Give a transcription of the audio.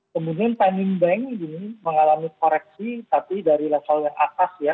kemudian timing bank ini mengalami koreksi tapi dari level yang atas ya